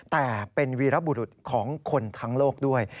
แต่เป็นวีรบุรุษของคนทั้งโลกด้วย